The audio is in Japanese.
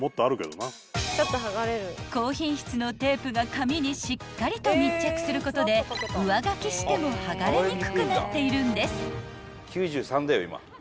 ［高品質のテープが紙にしっかりと密着することで上書きしても剥がれにくくなっているんです］